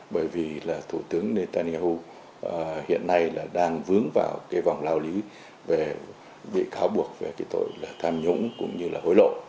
bởi vì là thủ tướng netanyahu hiện nay là đang vướng vào cái vòng lao lý về bị cáo buộc về cái tội là tham nhũng cũng như là hối lộ